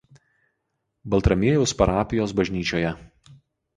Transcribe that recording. Baltramiejaus parapijos bažnyčioje.